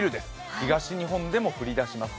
東日本でも降りだします。